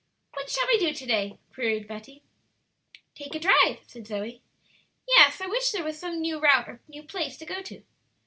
"What shall we do to day?" queried Betty. "Take a drive," said Zoe. "Yes; I wish there was some new route or new place to go to."